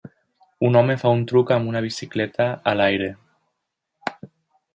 Un home fa un truc amb una bicicleta a l'aire.